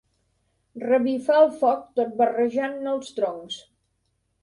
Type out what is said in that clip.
Revifar el foc tot barrejant-ne els troncs.